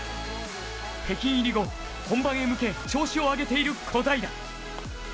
北京入り後、本番へ向け、調子を上げている小平。